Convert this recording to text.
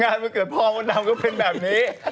วันเกิดพ่อมดดำก็เป็นแบบนี้